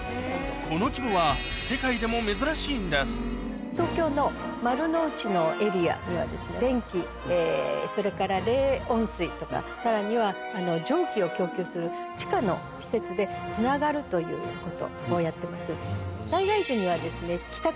この規模は東京の丸の内のエリアには電気それから冷温水とかさらには蒸気を供給する地下の施設でつながるということをやってます。